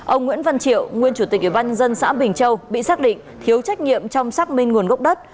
ông nguyễn văn triệu nguyên chủ tịch ủy ban nhân dân xã bình châu bị xác định thiếu trách nhiệm trong xác minh nguồn gốc đất